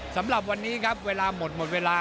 สำหรับวันนี้ครับเวลาหมดหมดเวลา